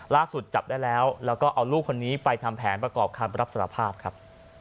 จับได้แล้วแล้วก็เอาลูกคนนี้ไปทำแผนประกอบคำรับสารภาพครับ